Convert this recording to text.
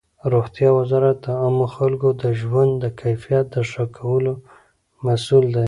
روغتیا وزارت د عامو خلکو د ژوند د کیفیت د ښه کولو مسؤل دی.